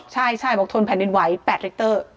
ใช่บอกทนแผ่นดินไหว๘ลิกเตอร์